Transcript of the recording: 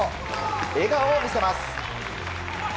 笑顔を見せます。